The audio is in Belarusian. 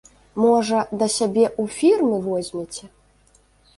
Можа, да сябе ў фірмы возьмеце?